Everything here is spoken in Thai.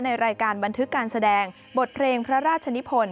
ในรายการบันทึกการแสดงบทเพลงพระราชนิพล